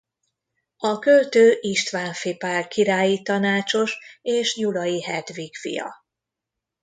A költő Istvánffy Pál királyi tanácsos és Gyulay Hedvig fia.